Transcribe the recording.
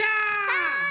はい！